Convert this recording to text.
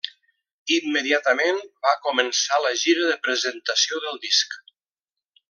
Immediatament van començar la gira de presentació del disc.